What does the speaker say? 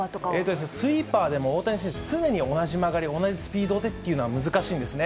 スイーパーでも、大谷選手、常に同じ曲がり、同じスピードでっていうのは難しいんですね。